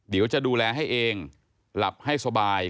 เดี๋ยวจะดูแลให้เองหลับให้สบาย